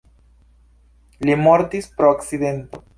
Li mortis pro akcidento.